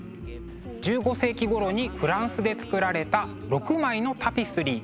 １５世紀ごろにフランスで作られた６枚のタピスリー。